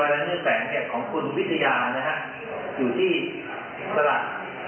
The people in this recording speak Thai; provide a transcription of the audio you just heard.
เพราะฉะนั้นจากการที่เราตอบส่วนแล้ว